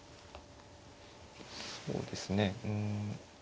そうですねうん。